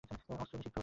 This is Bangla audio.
অস্ত্র নিষিদ্ধ।